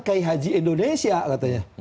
keihaji indonesia katanya